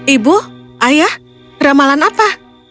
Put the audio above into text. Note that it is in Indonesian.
ibu ayah ramalan apa